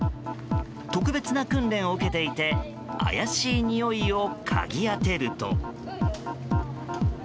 特別な訓練を受けていて怪しいにおいをかぎあてると。